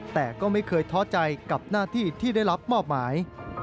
แต่ก็ไม่เคยท้อใจกับหน้าที่ที่ได้รับมอบหมาย